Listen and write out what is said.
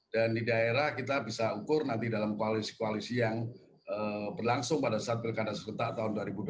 dan di daerah kita bisa ukur nanti dalam koalisi koalisi yang berlangsung pada saat pilkada seketak tahun dua ribu dua puluh